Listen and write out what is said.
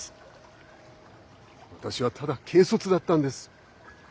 私はただ軽率だったんです。